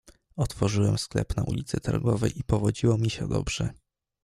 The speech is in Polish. "Otworzyłem sklep na ulicy Targowej i powodziło mi się dobrze."